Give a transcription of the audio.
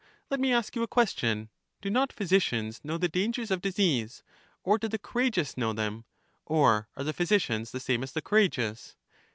Let me ask you a question: Do not physicians know the dangers of disease? or do the courageous know them? or are the physicians the same as the courageous?